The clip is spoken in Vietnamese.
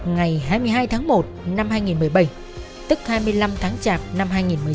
ngày hai mươi hai tháng một năm hai nghìn một mươi bảy tức hai mươi năm tháng chạp năm hai nghìn một mươi sáu